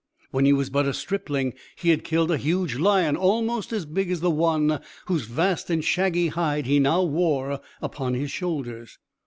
When he was but a stripling, he had killed a huge lion, almost as big as the one whose vast and shaggy hide he now wore upon his shoulders.